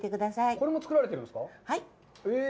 これも作られているんですか。